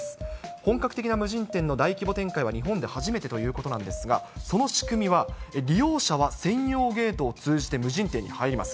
本格的な無人店の大規模展開は日本で初めてということなんですが、その仕組みは、利用者は専用ゲートを通じて無人店に入ります。